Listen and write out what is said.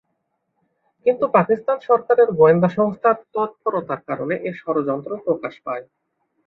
কিন্তু পাকিস্তান সরকারের গোয়েন্দা সংস্থার তৎপরতার কারণে এ ষড়যন্ত্র প্রকাশ পায়।